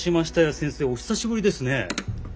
先生お久しぶりですね。